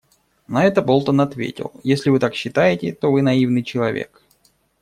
На это Болтон ответил: «Если Вы так считаете, то Вы наивный человек.